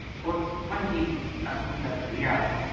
اُت پنجی اُسو تک رہیا